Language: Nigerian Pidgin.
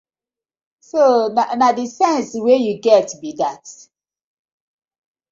So na dey sence wey yu get bi dat.